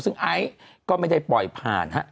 ซึ่งไอซ์ก็ไม่ได้ปล่อยผ่านฮะ